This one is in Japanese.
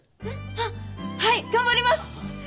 あっはい頑張ります！